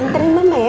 interim mama ya